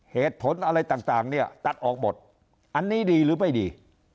เหตุผลอะไรต่างเนี่ยตัดออกหมดอันนี้ดีหรือไม่ดี